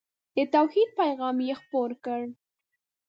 د توحید پیغام یې خپور کړ.